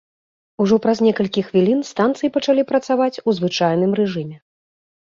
Ужо праз некалькі хвілін станцыі пачалі працаваць у звычайным рэжыме.